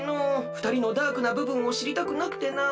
ふたりのダークなぶぶんをしりたくなくてな。